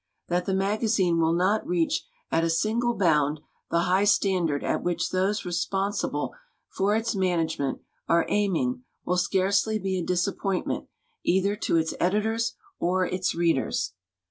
That the magazine will not reach at a single liound the high standard at which those responsible for its management are aiming will scarcely be a disappointment either to its editors or its readers.